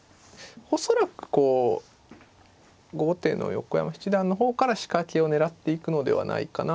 恐らくこう後手の横山七段の方から仕掛けを狙っていくのではないかなと。